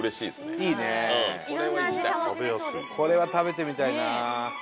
これは食べてみたいな。